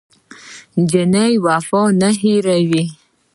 نجلۍ وفا نه هېروي.